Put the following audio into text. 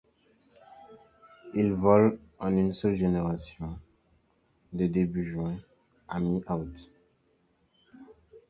Il vole en une seule génération, de début juin à mi-août.